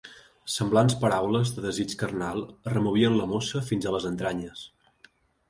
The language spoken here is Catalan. Semblants paraules de desig carnal removien la mossa fins a les entranyes.